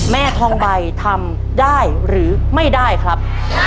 แม่ทองใบทำได้หรือไม่ได้ครับ